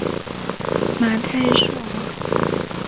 马泰绍尔考。